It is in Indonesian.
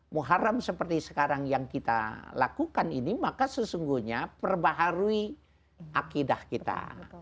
muharam seperti sekarang yang kita lakukan ini maka sesungguhnya perbaharui akidah kita